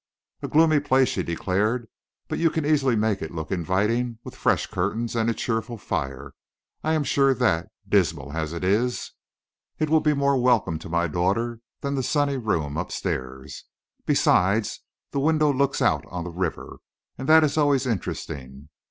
"A gloomy place!" she declared; "but you can easily make it look inviting with fresh curtains and a cheerful fire. I am sure that, dismal as it is, it will be more welcome to my daughter than the sunny room up stairs. Besides, the window looks out on the river, and that is always interesting.